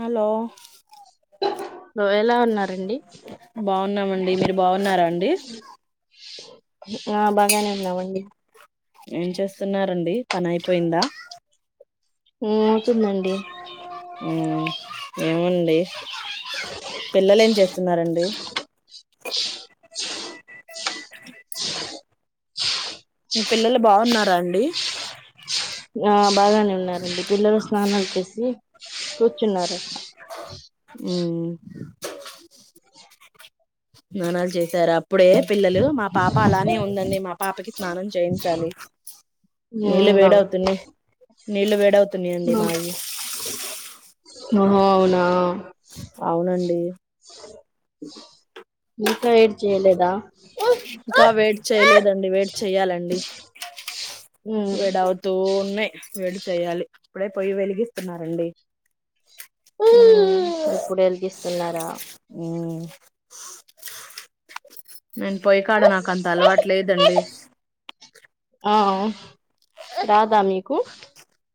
Hello లో ఎలా ఉన్నారండి బావున్నామండి, మీరు బావున్నారా అండి. ఆ బాగానే ఉన్నావండి. ఏం చేస్తున్నారండి. పనైయిపోయిందా అవుతుందండి. ఏవండి. పిల్లలు ఏం చేస్తున్నారండి మీ పిల్లలు బాగున్నారా అండి ఆ బాగానే ఉన్నారండి పిల్లలు స్నానం చేసి కూర్చున్నారు మ్మ్ స్నానాలు చేశారా ఇప్పుడే పిల్లలు మా పాప అలానే ఉందండి మా పాపకి స్నానం చేయించాలి నీళ్ళు ఉమ్ వేడవుతున్నాయి నీళ్ళు వేడవు తున్నాయి అండి మావి ఓహో అవునా అవునండి ఇంకా వేడి చేయలేదా ఇంకా వేడి చేయలేదండి వేడి చెయ్యాలండి ఉమ్ వేడి అవుతూ ఉన్నాయి వే చెయ్యాలి ఇప్పుడే పొయ్యి వెలిగిస్తున్నారండి ఇప్పుడు వెలిగిస్తున్నారా మ్మ్ నన్ పోయి కాడ నాకు అంత అలవాటు లేదండి ఆ రాదా మీకు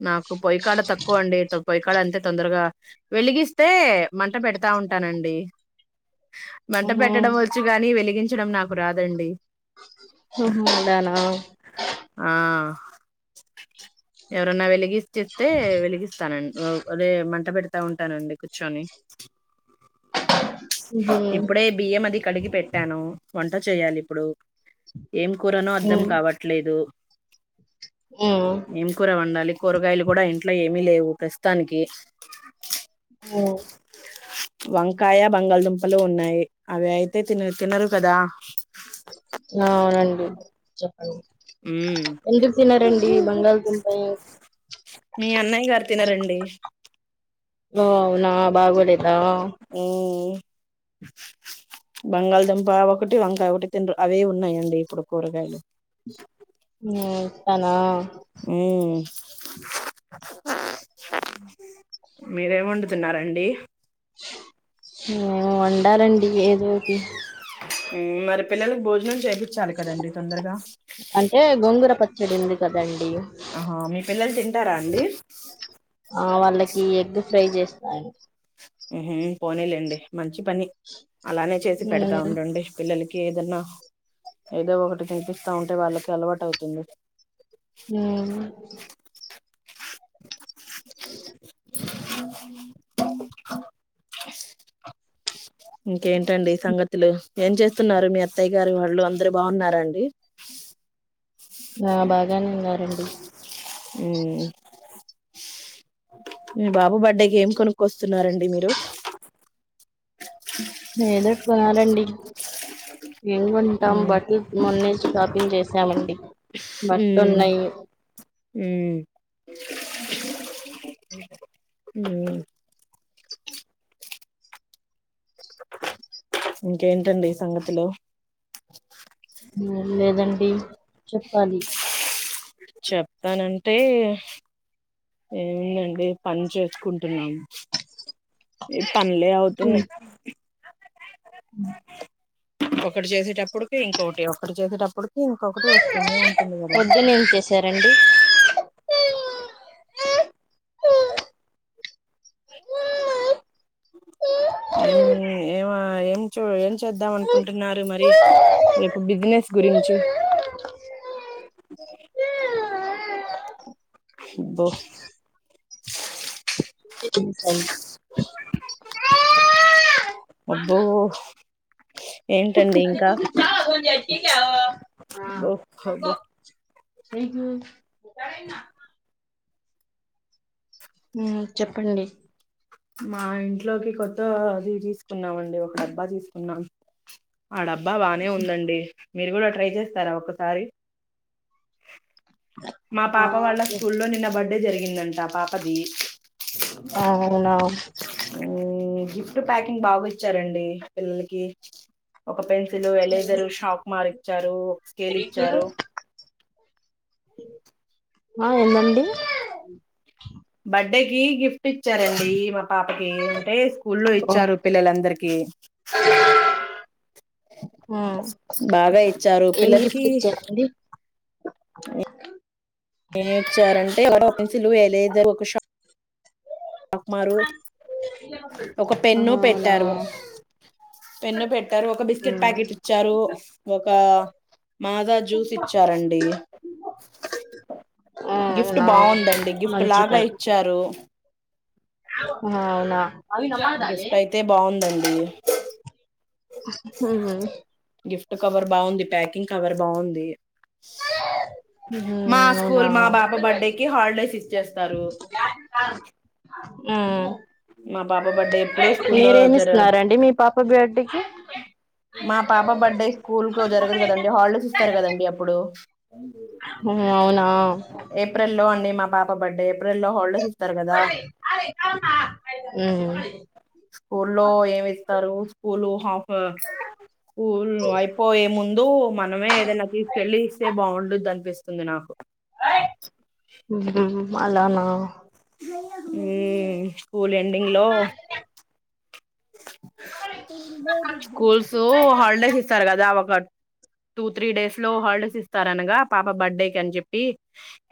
నాకు పొయ్యికాడ తక్కువ అండి త పొయ్యికాడ అంతే తొందరగా వెలిగిస్తే మంట పెడతా ఉంటానండి మంట ఉహు పెట్టడం వచ్చు గాని వెలిగించ చడం నాకు రాదండి ఉహూ అలానా ఆ ఎవరన్నా వెలిగి చెప్తే వెలిగిస్తానండి ఔ.. అదే మంట పెడతా ఉంటానండి కూర్చొని ఉహు ఉమ్ ఇప్పుడే బియ్యం అది కడిగి పెట్టాను వంట చేయాలి ఇప్పుడు ఏం కూరనో అర్ధం కావట్లేదు ఉమ్ ఏం కూర వండాలి కూరగాయలు కూడా ఇంట్లో ఏమి లేవు ప్రస్తుతానికి ఉమ్ వంకాయ బంగాళదుంపలు ఉన్నాయి అవి అయితే తినర్ తినరు కదా ఆ వునండి ఉమ్ ఎందుకు తిన్నారండి బంగాళదుంప మీ అన్నయ్య గారు తినరండి ఓ అవునా బాగోలే ఆ బంగాళదుంప ఒకటి వంకాయ ఒకటి తినరు అవే ఉన్నాయండి ఇప్పుడు కూరగాయలు ఇ తనా ఉ మీరేమి వండుతున్నండి ఉంటాలడి ఏదో మరి పిల్లలకి భోజనం చేయించాలి కదండి తొందరగా చెరింది కదండి ఆహా మీ పిల్లలు తింటారా అండి ఆ వాళ్ళకి ఎగ్ ఫ్రై చేస్తాండి పోనలేండి మంచి పని అలానే చేసి పెడతా ఉమ్ ఉండండి పిల్లలకి ఏదన్నా ఏదో ఒకటి తినిపిస్తా ఉంటే వాళ్ళకి అలవాటు అవుతుంది హ ఇంకేంటండి సంగతులు ఏం చేస్తున్నారు మీ అత్తయ్య గారు వాళ్ళు అందరు బాగున్నండి ఆ బాగానే ఉన్నారండి ఉ మీ బాబా బర్డే గ ఏం కొనుక్కొస్తా వస్తున్నారండి మీరు ఎదుట్కున్నాలండి ఏను కొంటాం ఉమ్ బట్టలు మొన్న షాపింగ్ చేసామండి బట్టలు ఉన్నాయి ఉ ఇంకేంటండి ఈ సంగతిలో లేేదనా ప చెప్పాలి చెప్తానంటే ఏముందండి పని చేసుకుంటున్నాము ఏ పనిలే అవుతున్నా అ ఒకటి చేసేటప్పుడుకి ఇంకొటి ఒటి చేసేటప్పుడుకి ఇంకొకటి వస్తుంది ఉంటుంది కదా పొద్దున ఏం ఆ ఆ ఏం ఏ ఏం ఏం చేద్దాం అనుకుంటున్నారు మరి రేపు బిజినెస్ గురించి ఇబ్బో స స అబ్బు ఏంటండి ఇంకా చ్చ క బఓ హబో సకి చెప్పండి మా ఇంట్లోకి కొత్త అది తీసుకున్నామ అండి ఒక డబ్బా తీసుకున్నాం ఆ డబ్బా బానే ఉందండి మీరు కూడా ట్రై చేస్తారా ఒసారి మా ఆ పాప వాళ్ళ స్కూల్లో నిన్నబడి అప్పుడే జరిగిందంట పాపది అవునా ఫ ప్యాకింగ్ బాగా ఇచ్చారండి పిల్లలకి ఒక పెన్ ఎరు షాక్ మారి చ్చారు స్కేలి ఇచ్చారు ఆ ఏందండి బర్డేకి గిఫ్ట్ చ ఇచ్చారండి మా పాపకి అంటే స్కూల్లో ఇచ్చారు పిల్లలందరికి ఆ బాగా ఇచ్చారు పిల్లలకి అ ఏమి ఇచ్చారంటే ఎన్సులు ఏ లేదు కుషం పాకుమారు ఒక పెన్ను అవునా పెట్టారు పెన్ను పెట్టారు ఒక బిస్కెట్ ఉమ్ ప్యాకెట్ ఇచ్చారు ఒక మాదా జ్యూస్ ఇచ్చారండి గిఫ్ట్ అవునా బాగుందండి గిఫ్ట్ మంచి లాగా పని ఇచ్చారు అవునా గిఫ్ట్ అయితే బాగుందండి ఉహు గిఫ్ట్ కవర్ బాగుంది ప్యాకింగ్ కవర్ బాగుంది ఉహు మా అవునా స్కూల్ మా బాపా బర్త్డేకి హాలిడేస్ ఇచ్చేస్తారు ఆ మా పాప బర్త్డే ఎప్పుడు స్కూల్లో జర మీరేమిస్తున్నారండి మీ పాప బేడ అ మా పాప బర్త్డే స్కూల్ కు జరగదు కదండడి హాలిడేస్ ఇస్తారు కదండి అప్పుడు అవునా ఏప్రిల్ లో అండి మా పాప బర్డ అప్రల్ లో హల్ అరే అరే కామా స్కూల్లో ఏమి ఇస్తారు స్కూల్ హాఫ్ ఊ ఊర్లో అయిపో ఏ ముందొ ముందు మనమే ఏదైనా తీసుకెళ్ళి ఇస్తే బాగుండదు అనిపిస్తుంది నాకు హు హు హు అలానా ఉ స్కూల్ ఎడింగ్ లో స్కూల్సు హల్డేస్ ఇస్తారు కదా ఒక టూ త్రీ డేస్ లో హాలిడేస్ ఇస్తార అనగా పాప బర్త్డే కని చెప్పి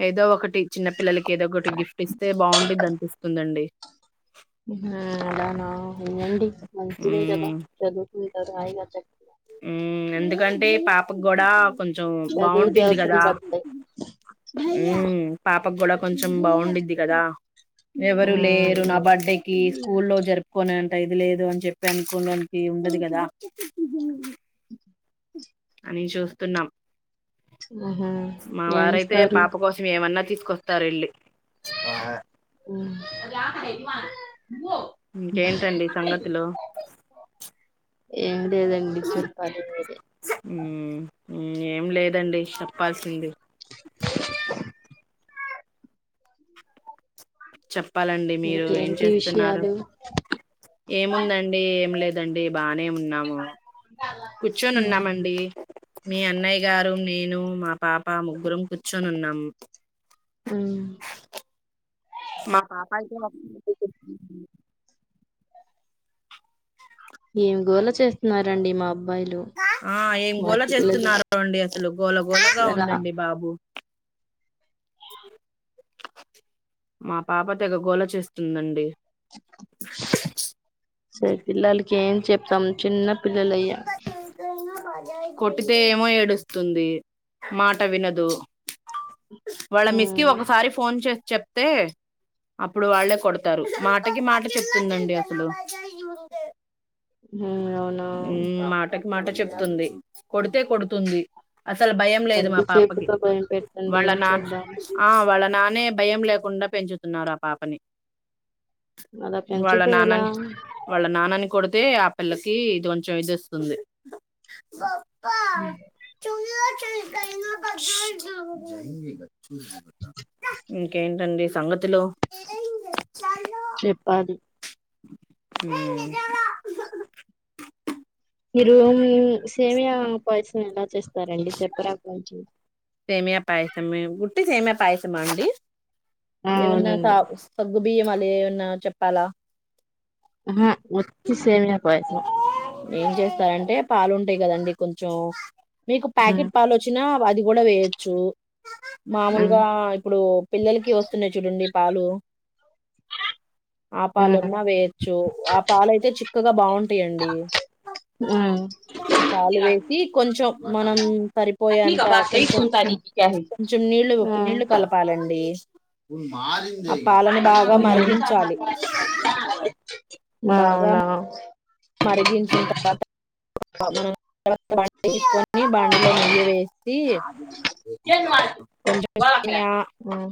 ఏదో ఒకటి చిన్న పిల్లలకి ఏదో ఒకటి గిఫ్ట్ ఇస్తే బాగుంది అనిపిస్తుందండి అ అలానా అయ్యండి మంచిదే కదా చదువు నీతోటి అయిన చక్ ఉ ఎందుకంటే ఈ పాపగూడ కొంచెం చదువుకి బాగుంటుంది అవసరం కదా పడతాయి ఉ పాప ప కూడా కొంచెం బాగుండుద్ది కదా ఎవరు లేరు నా ఉమ్ బర్త్డేకి ఊల్లో జరుపుకోనేంట ఇది లేదు అని చెప్పి అనుకోడానికి ఉండదు కదా అని చూస్తున్నాం ఉహు మా ఏం వారైతే చేస్తారు పాప కోసం ఏమన్నా తీస్ కొత్తారిల్లి ఆ ఉ ఇంకేంటండి సంగతులు ఎం లేదండి చెప్పాలి ఉ ఏం లేదు వదండి చెప్పాల్సింది చెప్పాలండి మీరు ఏం ఇంకేంటి చేస్తున్నారు విషయాలు ఏముందండి ఏం లేదండి బానే ఉన్నాము కూర్చొని ఉన్నామండి మీ అన్నయ్య గారు నేను మా పాప ముగ్గురం కూర్చొనున్నాము ఆ మా పాప అయితే ఏం గోల చేస్తున్నారండి మా అబ్బా ఆ ఏం గోళ చేస్తున్నారు అండి అసలు గోల గోళగా అసలా ఉందండి బాబు మా పాప తెగగోళ చేస్తుందండి స పిల్లల్లు కేం చెప్తాం చిన్న పిల్లలయ్యా కొట్టితే ఏమో ఏడుస్తుంది మాట వినదు వాళ్ళ మిస్ కి ఉమ్ ఒకసారి ఫోన్ చేస్త చెప్తే అప్పుడు వాళ్ళే కొడతారు మాటకి మాట చెప్తుందండి అసలు హ్మ్ అవునా మ్మ్ మాటకి మాట చెప్తుంది కొడుతే కొడుతుంది అసలు అంటి చేపుతో భయం పెట్టండి ఏం వళనాన్ చేద్దాం ఆ వళనాన్ అనే భయం లేకుండా పెంచుతున్నారు ఆ పాపని అలా వాళ్ళ పెంచితే ఎలా నాన్నని వాళ్ళ నానాని కొడితే ఆ పిల్లకి ఇది కొంచెం ఇది ఇస్తుంది పో చూ చనా [unintelligible] ఇంకేంటండి సంఘతులు చెప్పాలి ఈ రూమ్ సేమియా పాయసం ఎలా చేస్తారండి చెప్పరా కొంచం సేమయా పాయసమా ఊటీ సేమయా పాయసమా అండి ఏమన్న అవునండి స సగు బియ్యమా లేవు అన్న చెప్పాలా వచ్చి సమియా పాయసం ఏం చేస్తారంటే పాలుంటాయి కదండి కొంచెం మీకు మ్మ్ ప్యాకెట్ పాలు వచ్చినా అది కూడా వేయచ్చు మ్మ్ మామూలుగా ఇప్పుడు పిల్లలకి వస్తున్నాయి చూడండి పాలు మ్మ్ ఆపలున్నా వేయచ్చు ఆ పాలు అయితే చిక్కగా బాగుంటాయంండి మ్మ్ పాలు వేసి కొంచెం మనం సరిపోయే అంత కొంచెం కొంచెం నీళ్ళ నీళ్లు కలపాలండి ను మారి ఆ పాలని బాగా మరిగించాలి మా బాగా అవునా మరిగించిన తర్వాత మనం [unintelligible] బాండీ లో నెయ్యి వేసి కొంచం సేమియా మ్మ్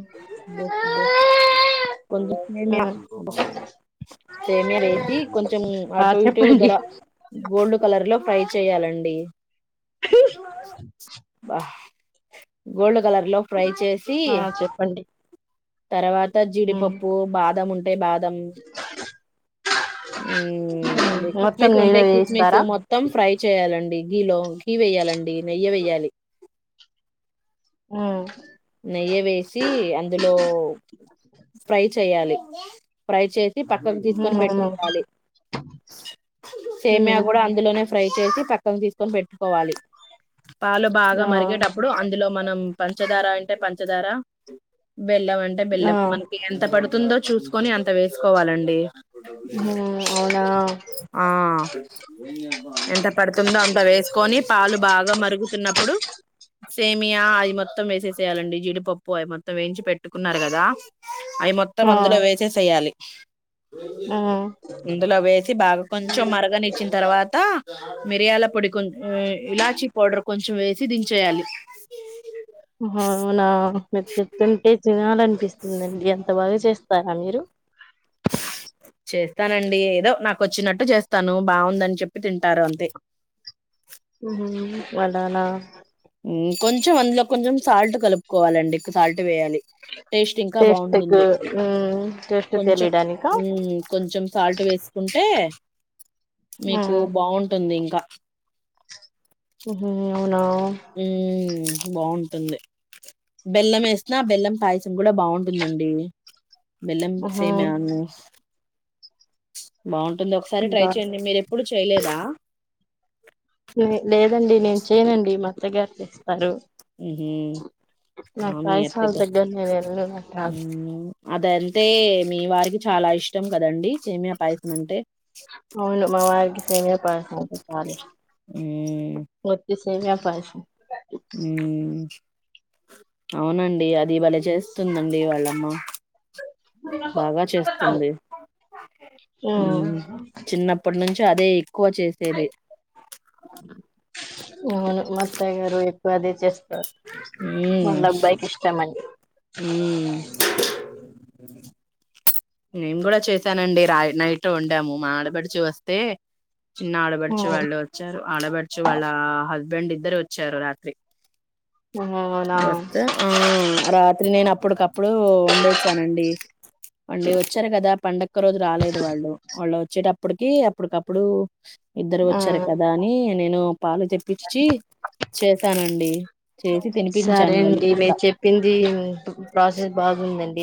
కొంచం సేమియా మ్మ్ సేమీయా వేసి కొంచెం ఆ టూ ఇటు ఉ చెప్పండి దర గోల్డ్ కలర్ లో ప్రై చేయాలండి గోల్డ్ కలర్ లో ఫ్రై చేసి ఆ చెప్పండి తర్వాత మ్మ్ జీడిపప్పు బాదం ఉంటు బాదం మ్మ్ ఉహు మొత్తం కిస్మిస్ నెయ్యిలో ఉంటాయి కిస్మిసు వేయిస్తారా మొత్తం ఫ్రై చేయాలండి గీలో గీ వేయాలండి నెయ్యి వేయాలి ఆ నెయ్యి వేసి అందులో ఫ్రై చేయాలి ఫ్రై చే పక్కకు తీసుకొని మ్మ్ అవును పెట్టుకోవాలి సేమీయా మ్మ్ కూడా అందులోనే ఫ్రై చేసి పక్కకి తీసుకొని పెట్టుకోవాలి పాలు బాగా ఆ మరిగేటప్పుడు అందులో మనం పంచదార అంటే పంచదార బెల్లం అంటే ఆ బెల్లం మనకి ఎంత పడు తుందో చూసుకొని అంత వేసుకోవాలండి మ్మ్ అవునా ఆ ఎంత పడుతుందో అంత వేసుకొని పాలు బాగా మరుగుతున్నప్పుడు సేమీయా అది మొత్తం ఏసేసి చేయాలండి జీడిపప్పు అవి మొత్తం వేయించి పెట్టుకున్నారు కదా అవి మొత్తం ఆ అందులో వేసేసయాలి మ్మ్ ఇందులో వేసి బాగా కొంచెం మరగనిచ్చిన తర్వాత మిరియాల పొడి కొ ఇలాచి పౌడర్ కొంచెం వేసి దించేయాలి ఔనా తంటేజ అనిపిస్తుందిండి ఎంత బాగా చేస్తారా మీరు చేస్తానండి ఏదో నాకు వచ్చినట్టు చేస్తాను బాగుందని చెప్పి తింటారు అంతే వండాల కొంచెం అందులో కొంచెం సాల్ట్ కలుపుకోవాలండి సాల్ట్ వేయాలి టేస్ట్ ఇంకా టేస్ట్ కు బాగుంటుంది మ్మ్ టేస్ట్ కొంచెం తెలియడానికా కొంచెం సాల్ట్ వేసుకుంటే మీకు మ్మ్ బాగుంటుంది ఇంకా [unintelligible] హ న బాగుంటుంది బెల్లం వేసిన ఆ బెల్లం పాయసం కూడా బాగుంటుందండి మెల్లం మ్హూ సేమను బాగు ఉంటుంది ఒకసారి ట్రై ఉంటా చేయండి మీరు ఎప్పుడు చేయలేదా లేదండి నేను చేయనండి మా దగ్గారికి సరు ఉహు ఆ నాకు మీ రాయసళ్ళ అత్తకి దగ్గర నేను వెళ్ళ నా ఉమ్ అదంటే మీ వారికి చాలా ఇష్టం కదండి ఏమి అ పాయసం అంటే అవును మాగ సేమ పంట చాల సవే పస అ అవునండి అది భలే చేస్తుందండి వాళ్ళమ్మ బాగా చేస్తుంది మ్మ్ చిన్నప్పటి నుంచి చ్చదే తక్కువ చేసేది అవును మాత్తయగారు ఎక్కువ అది చేస్త నంద అబ్బాయికి ఇష్టమని అ నేం కూడా చేసానండి రా నైట్ వండాము మాడబడి చూ వస్తే చిన్న ఆడపర్చు మ్మ్ వాళ్ళు వచ్చారు ఆడపర్చు వాళ్ళ హ బెం ఇద్దరు వచ్చారు రాత్రి మ్హూ అవునా వస్త ఆ రాత్రి నేను అప్పుటికప్పుడు ఉండేది సనండి అండి వచ్చారు కదా కా పండక్క రోజు రాలేదు వాళ్ళు వాళ్ళు వచ్చేటప్పటికి అప్పుటికప్పుడు ఇద్దరు వచ్చారు మ్మ్ కదా అని నేను పాలు తెప్పించి చేశానండి అ సరే అండి మీరు చెప్పింది ప్రాసెస్ బాగుందండి